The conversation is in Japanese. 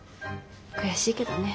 悔しいけどね。